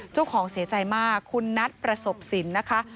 เจ้าของเสียใจมากคุณนัทประสบสินนะคะ